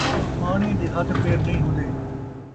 پاݨی دے ہتھ پیر نئیں ہوندے